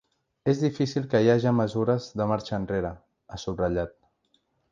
“És difícil que hi haja mesures de marxa enrere”, ha subratllat.